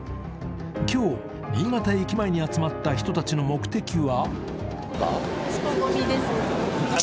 今日、新潟駅前に集まった人たちの目的は？